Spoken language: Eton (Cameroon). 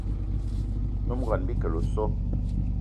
Nyom ngón Bikele o so!